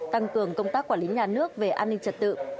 tăng cường công tác quản lý nhà nước về an ninh trật tự